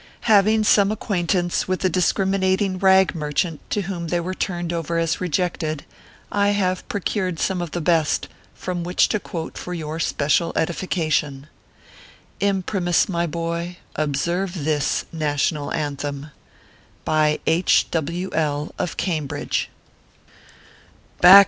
Having some acquaintance with the discrimi nating rag merchant to whom they were turned over as rejected, I have procured some of the best, from which to quote for your special edification. Imprimis, my boy, observe this NATIONAL ANTHEM. BY II. W. L , OF CAMBRIDGE.